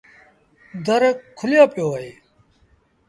در کليو پيو اهي